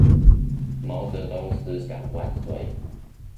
毛澤東思想萬歲